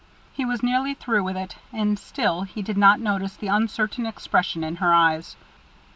He was nearly through with it, and still he did not notice the uncertain expression in her eyes.